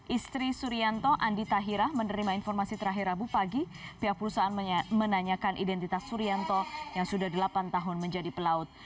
istri surianto andi tahira menerima informasi terakhir rabu pagi pihak perusahaan menanyakan identitas surianto yang sudah delapan tahun menjadi pelaut